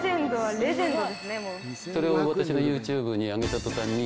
それを私のＹｏｕＴｕｂｅに上げた途端に。